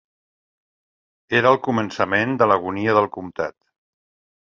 Era el començament de l'agonia del comtat.